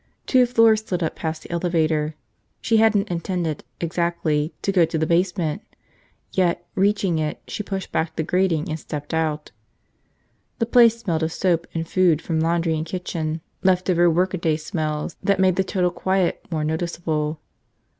Two floors slid up past the elevator. She hadn't intended, exactly, to go to the basement; yet, reaching it, she pushed back the grating and stepped out. The place smelled of soap and food from laundry and kitchen, leftover workaday smells that made the total quiet more noticeable.